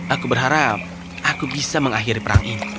aku berharap aku bisa mengakhiri perang ini